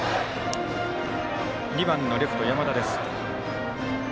２番のレフト、山田です。